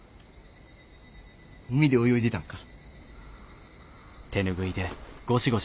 海で泳いでたんか？